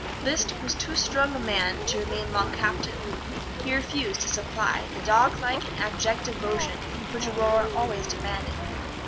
Liszt was too strong a man to remain long captive he refused to supply the doglike and abject devotion which Aurore always demanded.